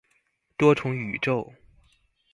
多重宇宙